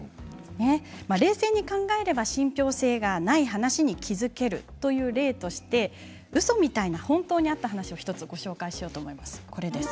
冷静に考えれば信ぴょう性のない話に気付けるという例として、うそみたいな本当にあった話を１つご紹介したいと思います。